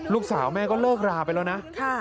ลูกสาวแม่ก็เลิกราไปแล้วนะ